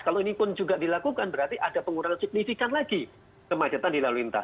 kalau ini pun juga dilakukan berarti ada pengurangan signifikan lagi kemacetan di lalu lintas